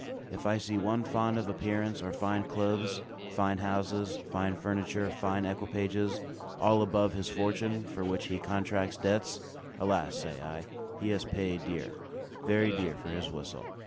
If I see one fond of appearance or fine clothes, fine houses, fine furniture, fine equipages, all above his fortune, for which he contracts debts, "Alas," say I, "he has paid dear, very dear for his whistle."